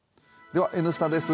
では「Ｎスタ」です。